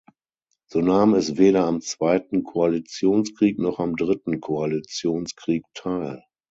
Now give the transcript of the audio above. So nahm es weder am Zweiten Koalitionskrieg noch am Dritten Koalitionskrieg teil.